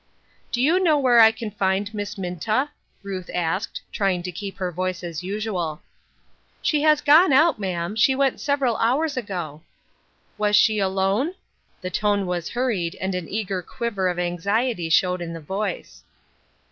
" Do you know where I can find Miss Minta ?" Ruth asked, trying to keep her voice as usual. " She has gone out, ma'am ; she went several hours ago." " Was she alone ?" The tone was hurried, and an eager quiver of anxiety showed in the voice.